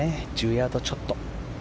１０ヤードちょっと。